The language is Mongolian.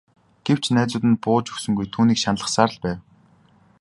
Гэвч найз нь бууж өгсөнгүй түүнийг шаналгасаар л байв.